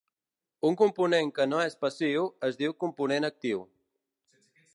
Un component que no és passiu es diu component actiu.